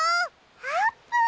あーぷん！